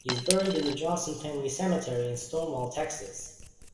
He is buried in the Johnson Family Cemetery in Stonewall, Texas.